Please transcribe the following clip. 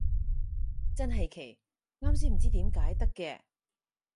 真係奇，啱先唔知點解得嘅